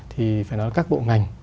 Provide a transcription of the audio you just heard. thì phải nói là các bộ ngành